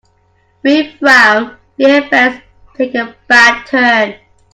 We frown when events take a bad turn.